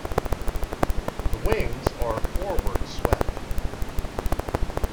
The wings are forward-swept.